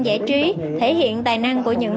giải trí thể hiện tài năng của những